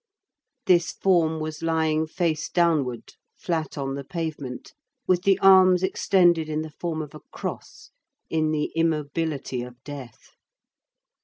This form was lying face downward, flat on the pavement, with the arms extended in the form of a cross, in the immobility of death.